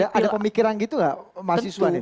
ada pemikiran gitu nggak mahasiswa nih